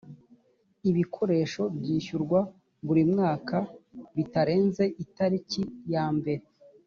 ibikoresho byishyurwa buri mwaka bitarenze itariki ya mbere